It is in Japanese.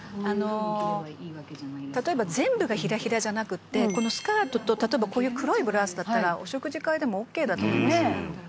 「でも例えば全部がヒラヒラじゃなくってこのスカートと例えばこういう黒いブラウスだったらお食事会でもオッケーだと思います」